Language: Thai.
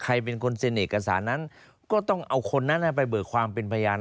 ใครเป็นคนเซ็นเอกสารนั้นก็ต้องเอาคนนั้นไปเบิกความเป็นพยาน